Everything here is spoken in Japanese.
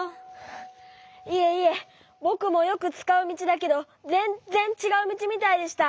いえいえぼくもよくつかうみちだけどぜんっぜんちがうみちみたいでした。